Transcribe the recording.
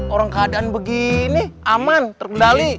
orang keadaan begini aman terkendali